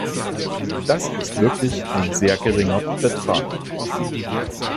Das ist wirklich ein sehr geringer Betrag.